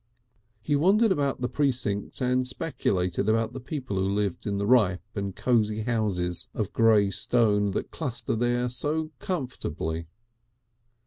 He wandered about the precincts and speculated about the people who lived in the ripe and cosy houses of grey stone that cluster there so comfortably.